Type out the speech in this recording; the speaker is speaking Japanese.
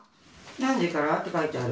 何時からって書いてある？